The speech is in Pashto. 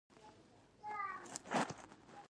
د پوهنتون محصلین په کمپاین کې برخه اخلي؟